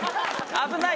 危ない。